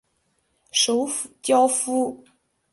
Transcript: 首府焦夫。